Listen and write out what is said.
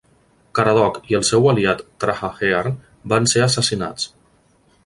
Caradog i el seu aliat Trahaearn van ser assassinats.